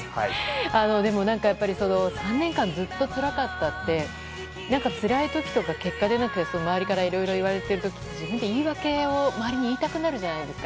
でも３年間ずっとつらかったってつらい時とか結果が出なくて周りからいろいろ言われている時って自分で言い訳を、周りに言いたくなるじゃないですか。